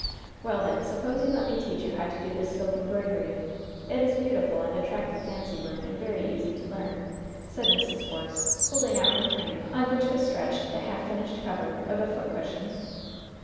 "Well, then, suppose you let me teach you how to do this silk embroidery. It is beautiful and attractive fancywork, and very easy to learn," said Mrs. Force, holding out her frame, on which was stretched the half finished cover of a foot cushion.